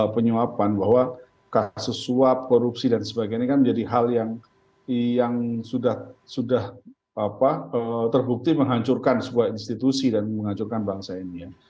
penyuapan bahwa kasus suap korupsi dan sebagainya kan menjadi hal yang sudah terbukti menghancurkan sebuah institusi dan menghancurkan bangsa ini ya